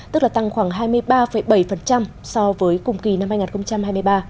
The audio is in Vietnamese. tức là tăng khoảng hai mươi ba bảy so với cùng kỳ năm hai nghìn hai mươi ba